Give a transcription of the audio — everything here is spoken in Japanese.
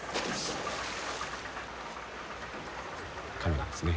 カメラですね。